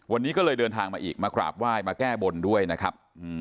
วันนี้ก็เลยเดินทางมาอีกมากราบไหว้มาแก้บนด้วยนะครับ